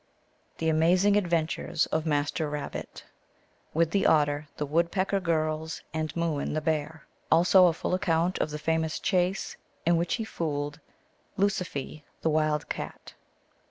THE AMAZING ADVENTURES OF MASTER RABBIT WITH THE OTTER, THE WOODPECKER GIRLS, AND MOOIN THE BEAR. ALSO A FULL ACCOUNT OF THE FAMOUS CHASE, IN WHICH HE FOOLED LUSIFEE, THE WILD CAT.